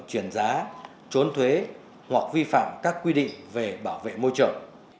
chuyển giá trốn thuế hoặc vi phạm các quy định về bảo vệ môi trường